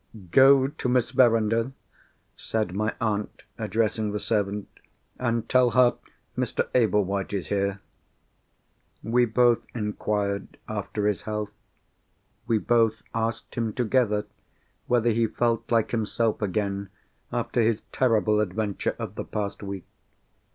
"Go to Miss Verinder," said my aunt, addressing the servant, "and tell her Mr. Ablewhite is here." We both inquired after his health. We both asked him together whether he felt like himself again, after his terrible adventure of the past week.